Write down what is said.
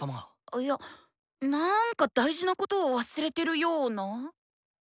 あいやなんか大事なことを忘れてるような。